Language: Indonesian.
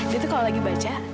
dia tuh kalau lagi baca